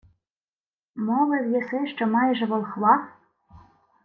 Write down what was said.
— Мовив єси, що маєш волхва.